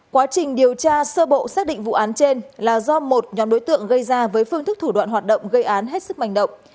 quá trình điều tra sơ bộ xác định vụ án trên là do một nhóm đối tượng gây ra với phương thức thủ đoạn hoạt động gây án hết sức mạnh động